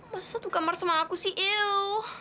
masa satu kamar sama aku sih eww